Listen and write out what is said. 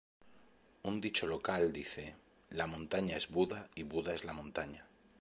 Un dicho local dice: "La montaña es Buda y Buda es la montaña".